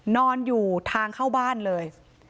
นอนอยู่ทางเข้าบ้านเลย